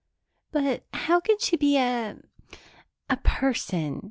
"But how can she be a a person?"